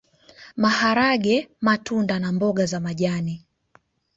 Maharage matunda na mboga za majani